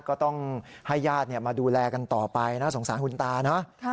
ก็ต้องให้ญาติมาดูแลกันต่อไปน่าสงสารคุณตานะ